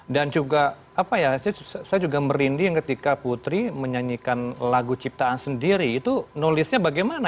dan juga apa ya saya juga merindih ketika putri menyanyikan lagu ciptaan sendiri itu nulisnya bagaimana